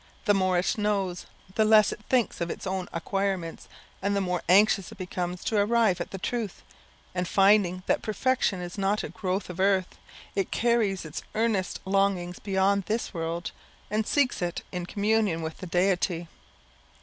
The more it knows, the less it thinks of its own acquirements, and the more anxious it becomes to arrive at the truth; and finding that perfection is not a growth of earth, it carries its earnest longings beyond this world, and seeks it in communion with the Deity.